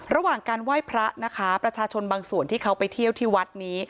ระหว่างการไหว้พระนะคะประชาชนบางส่วนที่เขาไปเที่ยวที่วัดนี้